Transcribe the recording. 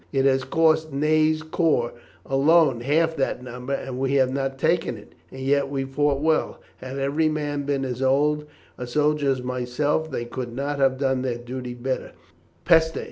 It has cost Ney's corps alone half that number, and we have not taken it; and yet we fought well. Had every man been as old a soldier as myself they could not have done their duty better. _Peste!